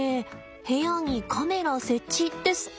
「部屋にカメラ設置」ですって。